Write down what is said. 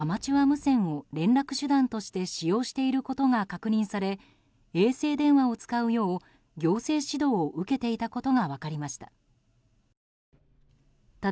国土交通省の監査で日常的にアマチュア無線を連絡手段として使用していることが確認され衛星電話を使うよう行政指導を受けていたことが分かりました。